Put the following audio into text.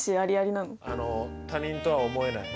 あの他人とは思えない。